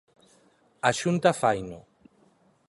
A Xunta faino.